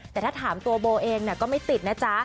แต่ถ้าถามตัวโบเองก็ไม่ติดนะจ๊ะ